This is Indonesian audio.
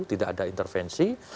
tidak ada intervensi